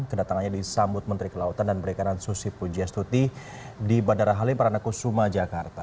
kedatangannya disambut menteri kelautan dan perikanan susi pujiastuti di bandara halim perdana kusuma jakarta